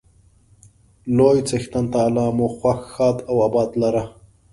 لوی څښتن تعالی مو خوښ، ښاد او اباد لره.